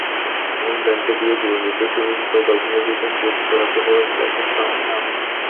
এমন গ্যারান্টি দিয়েই জীবনযুদ্ধের ছোট ছোট গল্প সাজিয়েছেন যুক্তরাজ্যপ্রবাসী লেখক তাহমিনা আমীর।